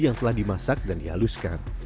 yang telah dimasak dan dihaluskan